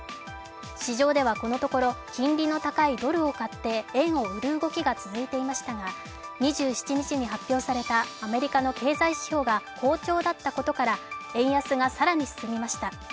市場ではこのところ金利の高いドルを買って円を売る動きが続いていましたが、２７日に発表されたアメリカの経済指標が好調だったことから、円安が更に進みました。